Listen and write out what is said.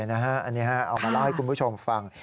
อันนี้เอามาเล่าให้คุณผู้ชมฟัง